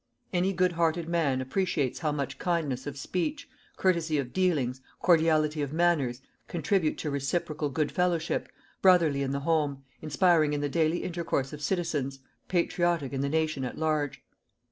Any good hearted man appreciates how much kindness of speech, courtesy of dealings, cordiality of manners, contribute to reciprocal good fellowship, brotherly in the home, inspiring in the daily intercourse of citizens, patriotic in the nation at large.